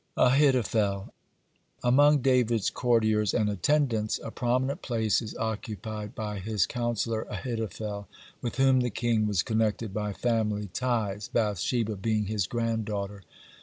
(59) AHITHOPHEL Among David's courtiers and attendants, a prominent place is occupied by his counsellor Ahithophel, (60) with whom the king was connected by family ties, Bath sheba being his granddaughter.